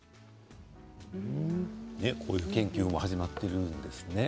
こういう研究が始まっているんですね。